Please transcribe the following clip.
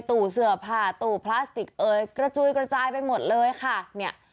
ตู้เสื้อผ้าตู้พลาสติกเอ่ยกระจุยกระจายไปหมดเลยค่ะเนี่ย